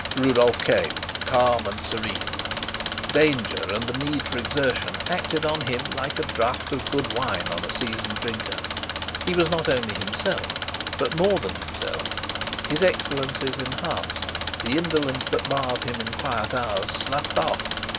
Rudolf came, calm and serene. Danger and the need for exertion acted on him like a draught of good wine on a seasoned drinker. He was not only himself, but more than himself: his excellences enhanced, the indolence that marred him in quiet hours sloughed off.